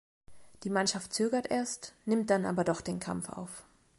Die Mannschaft zögert erst, nimmt dann aber doch den Kampf auf.